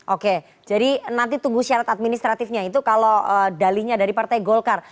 oke jadi nanti tunggu syarat administratifnya itu kalau dalinya dari partai golkar